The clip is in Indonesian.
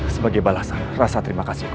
sebagai balasan rasa terima kasih